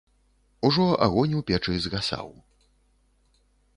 Ужо агонь у печы згасаў.